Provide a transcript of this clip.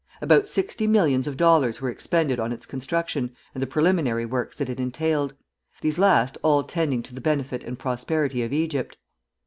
About sixty millions of dollars were expended on its construction and the preliminary works that it entailed, these last all tending to the benefit and prosperity of Egypt.